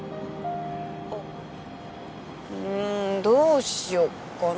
あっうんどうしよっかな。